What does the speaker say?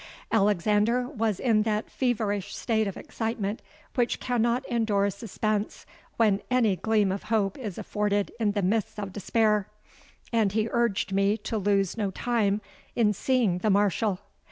'—Alexander was in that feverish state of excitement which cannot endure suspense when any gleam of hope is afforded in the midst of despair; and he urged me to lose no time in seeing the Marshal.